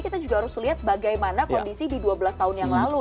kita juga harus lihat bagaimana kondisi di dua belas tahun yang lalu